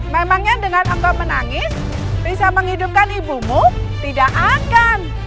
memangnya dengan engkau menangis bisa menghidupkan ibumu tidak akan